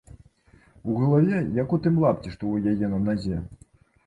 У галаве, як у тым лапці, што ў яе на назе.